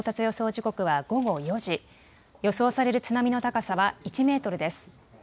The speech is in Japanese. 時刻は午後４時、予想される津波の高さは１メートルです。